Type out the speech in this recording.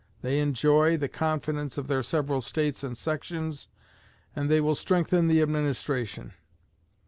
They enjoy the confidence of their several States and sections, and they will strengthen the administration."